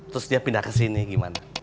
terus dia pindah ke sini gimana